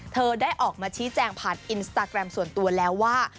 เธอได้ออกมาชี้แจงผ่านอินสตาแกรมส่วนตัวแล้วว่า